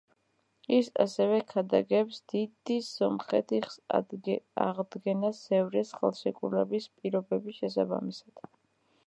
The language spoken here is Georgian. ის ასევე ქადაგებს დიდი სომხეთის აღდგენას სევრის ხელშეკრულების პირობების შესაბამისად.